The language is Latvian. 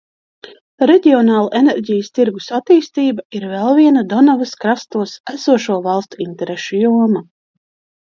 Reģionāla enerģijas tirgus attīstība ir vēl viena Donavas krastos esošo valstu interešu joma.